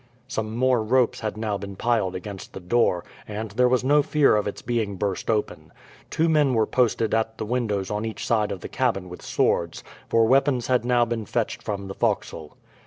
Some more ropes had now been piled against the door, and there was no fear of its being burst open. Two men were posted at the windows on each side of the cabin with swords, for weapons had now been fetched from the forecastle.